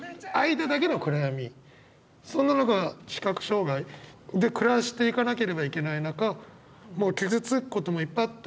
そんな中視覚障害で暮らしていかなければいけない中もう傷つくこともいっぱいあった。